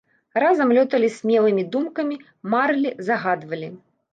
Разам лёталі смелымі думкамі, марылі, загадвалі.